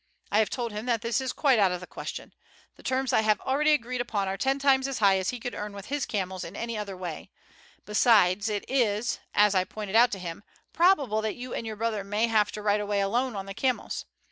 I have told him that this is quite out of the question. The terms I have already agreed upon are ten times as high as he could earn with his camels in any other way; besides it is, as I pointed out to him, probable that you and your brother may have to ride away alone on the camels.